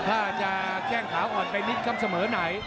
ถ้าจะแก้งขาอ่อนไปนิดครับเสมอไหน